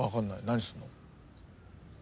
何すんの？